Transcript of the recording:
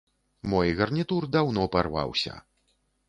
Мой гарнітур даўно парваўся.